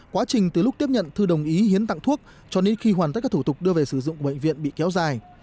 quá trình từ lúc tiếp nhận thư đồng ý hiến tặng thuốc cho đến khi hoàn tất các thủ tục đưa về sử dụng của bệnh viện bị kéo dài